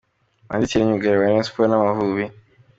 Manzi Thierry myugariro wa Rayon Sports n'Amavubi.